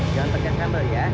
jangan tercambal ya